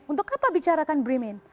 untuk apa bicarakan bremen